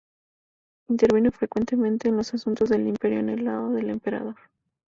Intervino frecuentemente en los asuntos del imperio en el lado del emperador.